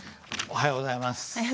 おはようございます。